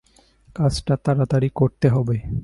কাজটা তাড়াতাড়ি করতে হবে।